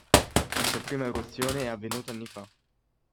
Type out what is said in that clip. La sua prima eruzione è avvenuta anni fa.